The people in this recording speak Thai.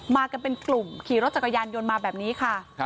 มากันเป็นกลุ่มขี่รถจักรยานยนต์มาแบบนี้ค่ะ